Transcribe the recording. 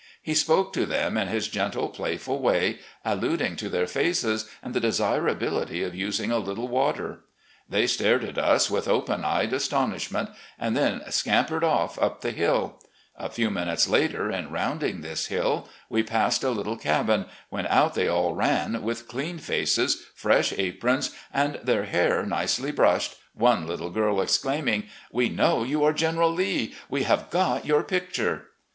He spoke to them in his gentle, playful way, alluding to their faces and the desira bility of using a little water. They stared at us with open eyed astonishment, and then scampered off up the hill; a few minutes later, in rounding this hill, we passed a little cabin, when out they all ran with clean faces, fresh aprons, and their hair nicely brushed, one little girl exclaiming, ' We know you are General Lee ! we have got your picture!